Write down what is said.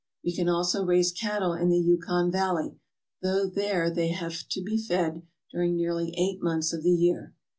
We can also raise cattle in the Yukon Valley, though there they have to be fed during nearly eight months of the year.